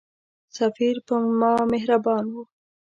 سفیر پر ما مهربان وو.